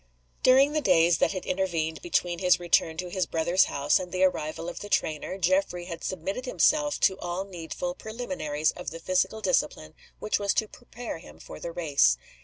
During the days that had intervened between his return to his brother's house and the arrival of the trainer, Geoffrey had submitted himself to all needful preliminaries of the physical discipline which was to prepare him for the race.